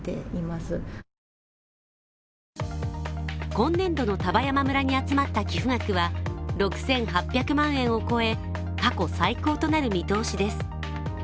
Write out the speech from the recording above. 今年度の丹波山村に集まった寄付額は６８００万円を超え、過去最高となる見通しです。